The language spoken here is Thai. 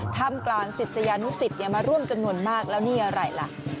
ทำกลางศิษยานุสิตมาร่วมจำนวนมากแล้วนี่อะไรล่ะ